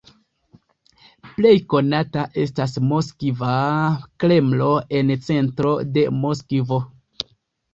Plej konata estas Moskva Kremlo en centro de Moskvo.